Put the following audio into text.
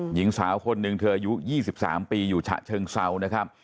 หญิงสาวคนหนึ่งเธออายุ๒๓ปีอยู่ฉะเชิงเซานะครับ